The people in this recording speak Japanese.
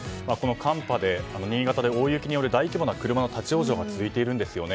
寒波で新潟で大雪による大規模な車の立ち往生が続いているんですよね。